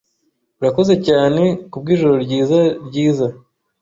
Urakoze cyane kubwijoro ryiza ryiza.